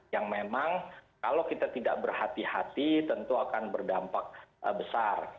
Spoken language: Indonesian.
yang memang kalau kita tidak berhati hati tentu akan berdampak besar